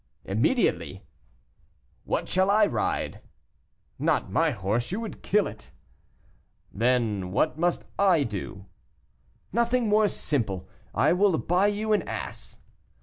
"Immediately." "What shall I ride?" "Not my horse; you would kill it." "Then what must I do?" "Nothing more simple; I will buy you an ass."